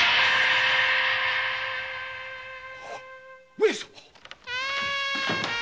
上様！